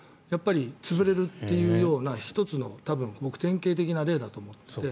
潰れるっていうような１つの多分僕、典型的な例だと思って。